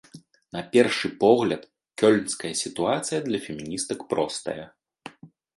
На першы погляд, кёльнская сітуацыя для феміністак простая.